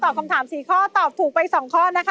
คำถาม๔ข้อตอบถูกไป๒ข้อนะคะ